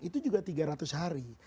itu juga tiga ratus hari